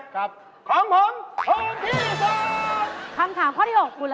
ของผมถูกที่สุด